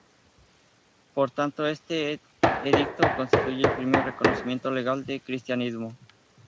Por tanto, este edicto constituye el primer reconocimiento legal del Cristianismo.